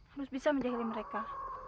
harus bisa menjahili mereka